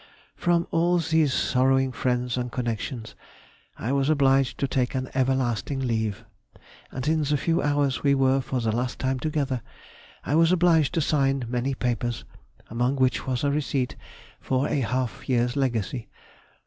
From all these sorrowing friends and connections I was obliged to take an everlasting leave, and in the few hours we were for the last time together, I was obliged to sign many papers, among which was a receipt for a half year's legacy.